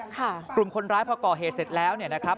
กลุ่มคนร้ายพอก่อเหตุเสร็จแล้วเนี่ยนะครับ